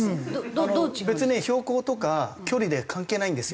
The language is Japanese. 別に標高とか距離で関係ないんですよ。